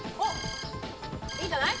いいんじゃない？